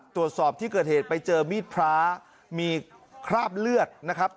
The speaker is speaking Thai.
ตรวจสอบที่เกิดเหตุไปเจอมีดพระมีคราบเลือดนะครับ